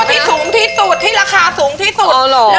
ที่สูงที่สุดที่ราคาสูงที่สุด